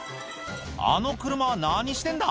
あの車は何してんだ？